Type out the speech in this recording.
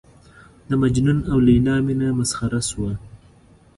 د مجنون او لېلا مینه مسخره شوه.